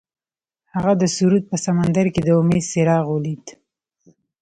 هغه د سرود په سمندر کې د امید څراغ ولید.